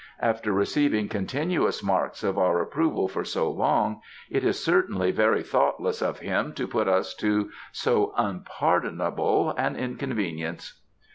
After receiving continuous marks of our approval for so long it is certainly very thoughtless of him to put us to so unpardonable an inconvenience."